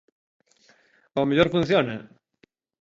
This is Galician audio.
Ao mellor funciona.